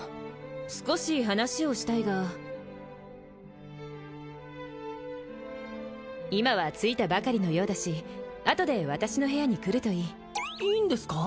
少し話をしたいが今は着いたばかりのようだしあとで私の部屋に来るといいいいんですか？